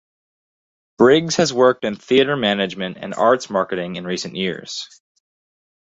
Briggs has worked in theatre management and arts marketing in recent years.